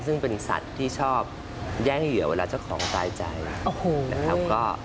ซึ่งเป็นสัตว์ที่ชอบแย่งเหยื่อเวลาเจ้าของตายใจนะครับ